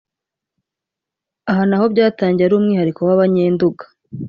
Aha naho byatangiye ari umwihariko w’Abanyenduga